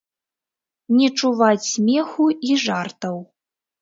Не чуваць смеху і жартаў.